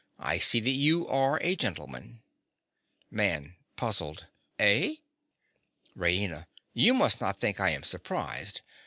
I see that you are a gentleman. MAN. (puzzled). Eh? RAINA. You must not think I am surprised.